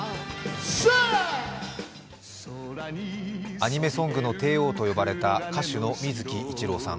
アニメソングの帝王と呼ばれた歌手の水木一郎さん。